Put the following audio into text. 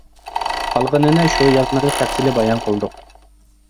قالغىنىنى شۇ يازمىدا تەپسىلىي بايان قىلدۇق.